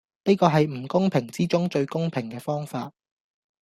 呢個係唔公平之中最公平既方法